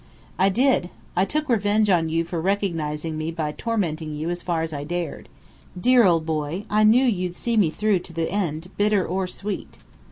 "I did. I took revenge on you for recognizing me by tormenting you as far as I dared. Dear old boy, I knew you'd see me through to the end, bitter or sweet!"